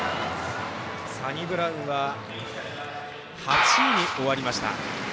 サニブラウンは８位に終わりました。